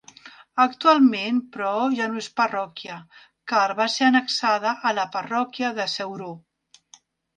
Actualment, però ja no és parròquia, car va ser annexada a la parròquia de Ceuró.